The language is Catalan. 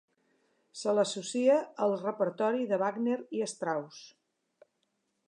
Se l'associa al repertori de Wagner i Strauss.